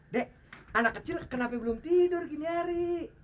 dek anak kecil kenapa belum tidur gini hari